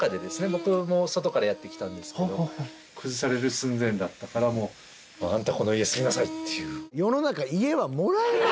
僕も外からやって来たんですけど崩される寸前だったからもう「あんたこの家住みなさい！」っていう。